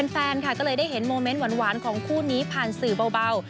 แฟนค่ะก็เลยได้เห็นโมเมนต์หวานของคู่นี้ผ่านสื่อเบา